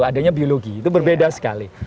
adanya biologi itu berbeda sekali